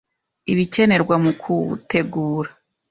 Ibikenerwa mu kuwutegura: